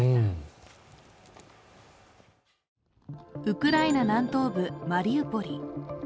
ウクライナ南東部マリウポリ。